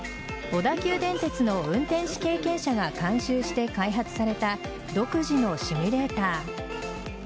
小田急電鉄の運転士経験者が監修して開発された独自のシミュレーター。